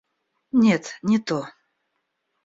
Нет, не то.